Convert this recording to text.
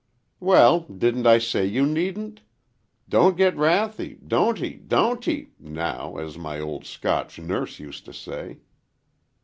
"Well, didn't I say you needn't! Don't get wrathy—don't 'ee, don't 'ee—now,—as my old Scotch nurse used to say."